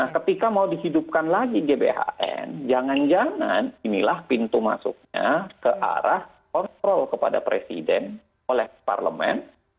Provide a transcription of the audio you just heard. nah ketika mau dihidupkan lagi gbhn jangan jangan inilah pintu masuknya ke arah kontrol kepada presiden oleh parlemen